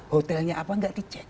hotelnya apa nggak dicek